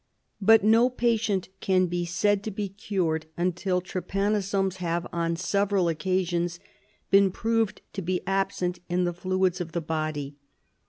But no patient can be said to be cured until trypanosomes have, on several occasions, been proved to be absent in the fluids of the body.